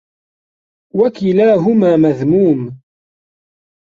وَكِلَاهُمَا مَذْمُومٌ